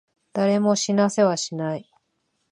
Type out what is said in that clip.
誰も死なせはしない。